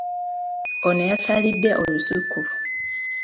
Ono y'asalidde olusuku.